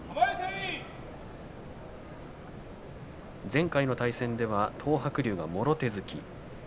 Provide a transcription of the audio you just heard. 前回の対戦では東白龍のもろ手突き。